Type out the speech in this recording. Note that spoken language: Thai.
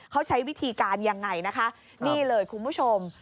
เขาใช้วิธีการยังไงนะคะนี่เลยคุณผู้ชม